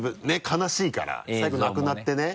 悲しいから最後亡くなってね。